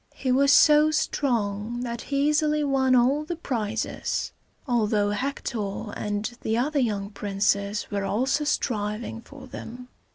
He was so strong that he easily won all the prizes, although Hector and the other young princes were also striving for them.